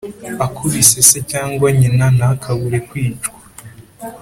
Akubise se cyangwa nyina ntakabure kwicwa